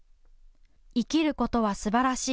生きることはすばらしい。